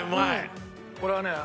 これはね